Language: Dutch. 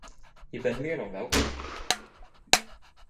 Je bent meer dan welkom.